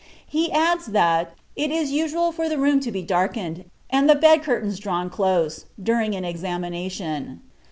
He adds that "it is usual for the room to be darkened, and the bed curtains drawn close, during an examination."